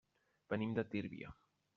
Venim de Tírvia.